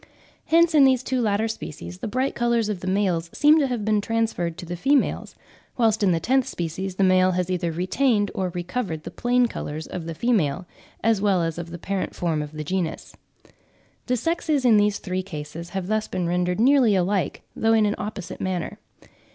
Hence in these two latter species the bright colours of the males seem to have been transferred to the females; whilst in the tenth species the male has either retained or recovered the plain colours of the female, as well as of the parent form of the genus. The sexes in these three cases have thus been rendered nearly alike, though in an opposite manner.